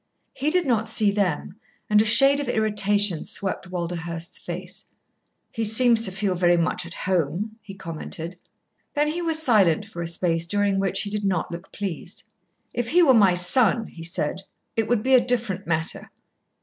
He did not see them, and a shade of irritation swept Walderhurst's face. "He seems to feel very much at home," he commented. Then he was silent for a space during which he did not look pleased. "If he were my son," he said, "it would be a different matter.